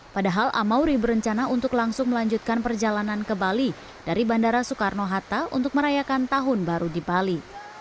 padahal amauri berencana untuk langsung melanjutkan perjalanan ke bali dari bandara soekarno hatta untuk merayakan tahun baru di bali